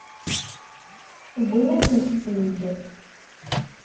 Wwin-asent-ten-id.